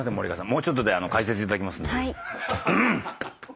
もうちょっとで解説いただきますんで。